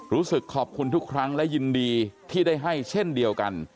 รู้สึกขอบคุณทุกครั้งและยินดีที่ได้ให้เช่นเดียวกัน